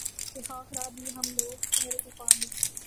تھے خاک راہ بھی ہم لوگ قہر طوفاں بھی